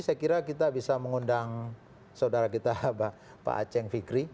saya kira kita bisa mengundang saudara kita pak aceh fikri